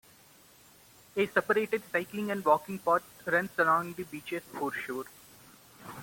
A separated cycling and walking path runs along the beach's foreshore.